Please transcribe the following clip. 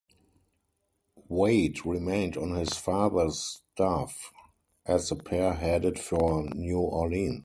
Wade remained on his father's staff as the pair headed for New Orleans.